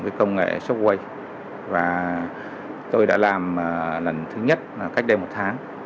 cái công nghệ shockwave và tôi đã làm lần thứ nhất cách đây một tháng